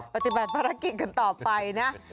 ปฏิบัติภารกิจกันต่อไปนะ